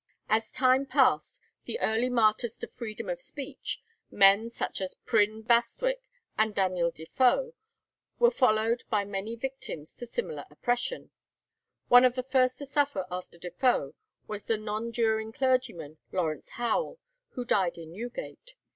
As time passed, the early martyrs to freedom of speech, such men as Prynne Bastwick and Daniel Defoe, were followed by many victims to similar oppression. One of the first to suffer after Defoe was the nonjuring clergyman Lawrence Howell, who died in Newgate.